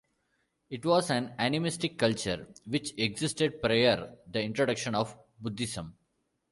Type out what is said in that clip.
It was an animistic culture which existed prior the introduction of Buddhism.